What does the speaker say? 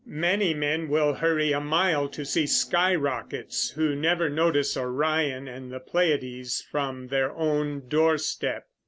Many men will hurry a mile to see skyrockets, who never notice Orion and the Pleiades from their own doorstep.